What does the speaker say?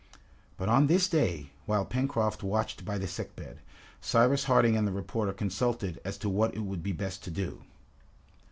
But on this day, while Pencroft watched by the sick bed, Cyrus Harding and the reporter consulted as to what it would be best to do.